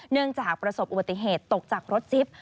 เนื่องจากประสบอุบัติเหตุตกจากรถจิ๊บ